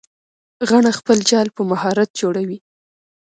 غڼه خپل جال په مهارت جوړوي